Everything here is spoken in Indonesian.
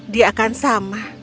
dia akan sama